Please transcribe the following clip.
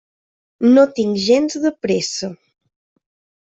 No tinc gens de pressa.